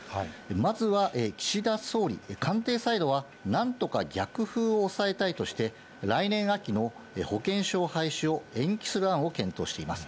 まずは岸田総理、官邸サイドは、なんとか逆風を抑えたいとして、来年秋の保険証廃止を延期する案を検討しています。